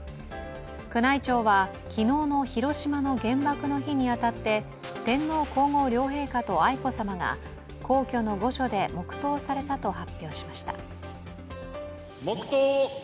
宮内庁は昨日の広島の原爆の日に当たって天皇皇后両陛下と愛子さまが皇居の御所で黙とうされたと発表しました。